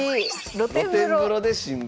露天風呂で新聞。